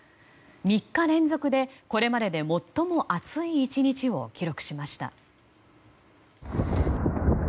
３日連続で、これまでで最も暑い１日を記録しました。